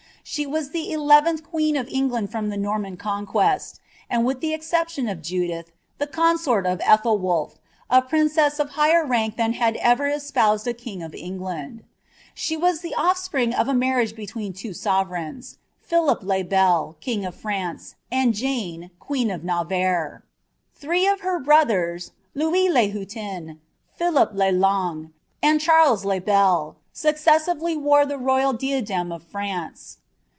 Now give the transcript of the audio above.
Sh^ wai ihi eleventh queen of England from Ihe Nomian Conquest, and with ibf exception of Judith, the consort of Ethelwolph, a prinr ess of higbtr rank ihan had ever espoused a king of England. She was ihf ol^nis{ of a marriage between Iwo sovereigns ; Philip le BeJ, kin^ of Vnaa aiid Jane, queen of Navarre. Three of her brothers, Louis le Hiitie< Philip le Long, and Charles le Bel, successively wore the royal imAai of France.